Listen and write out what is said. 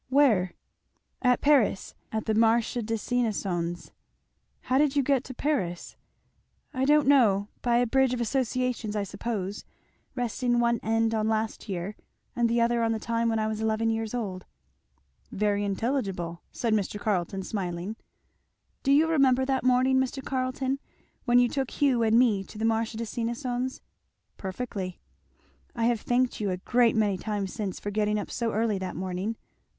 "Where?" "At Paris at the Marché des Innocens." "How did you get to Paris?" "I don't know by a bridge of associations, I suppose, resting one end on last year, and the other on the time when I was eleven years old." "Very intelligible," said Mr. Carleton smiling. "Do you remember that morning, Mr. Carleton? when you took Hugh and me to the Marché des Innocens?" "Perfectly." "I have thanked you a great many times since for getting up so early that morning."